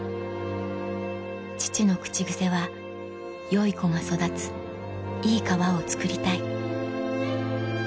父の口癖は「良い子が育ついい川をつくりたい」